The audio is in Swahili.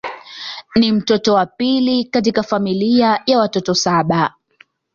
Ni mtoto wa pili katika familia ya watoto saba.